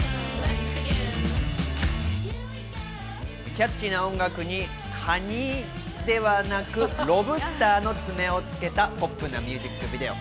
キャッチーな音楽に、カニではなく、ロブスターの爪をつけたポップなミュージックビデオ。